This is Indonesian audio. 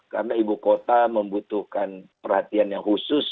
karena ibu kota membutuhkan perhatian yang khusus